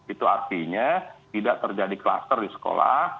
itu artinya tidak terjadi kluster di sekolah